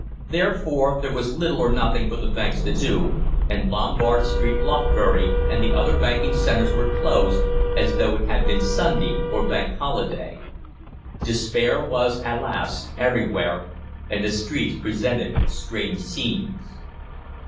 Therefore there was little or nothing for the banks to do, and Lombard Street, Lothbury, and the other banking centres were closed, as though it had been Sunday or Bank Holiday. Despair was, alas! everywhere, and the streets presented strange scenes.